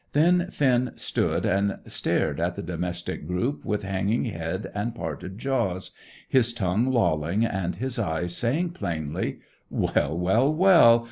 Then Finn stood and stared at the domestic group with hanging head and parted jaws, his tongue lolling, and his eyes saying plainly "Well, well, well!